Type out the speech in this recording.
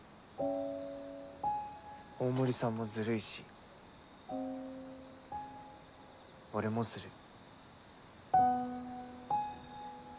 大森さんもずるいし俺もずるい。